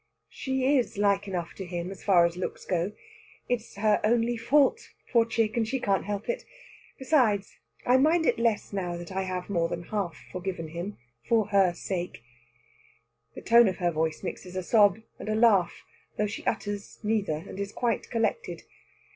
"She is like enough to him, as far as looks go. It's her only fault, poor chick, and she can't help it. Besides, I mind it less now that I have more than half forgiven him, for her sake." The tone of her voice mixes a sob and a laugh, although she utters neither, and is quite collected.